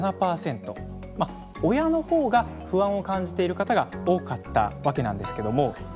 まあ親の方が不安を感じている方が多かったわけなんですけども。